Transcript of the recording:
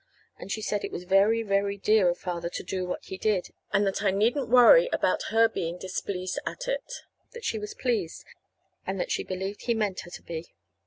And she said it was very, very dear of Father to do what he did, and that I needn't worry about her being displeased at it. That she was pleased, and that she believed he meant her to be.